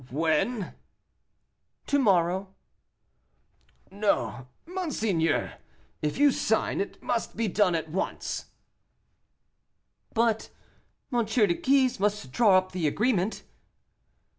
"When?" "To morrow." "No, monseigneur; if you sign, it must be at once." "But M. de Guise must draw up the agreement."